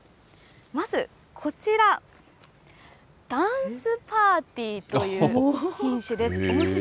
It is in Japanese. まず、こちら、ダンスパーティーという品種です。